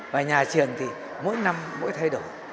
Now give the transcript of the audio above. và nhà trường thì mỗi năm mỗi thay đổi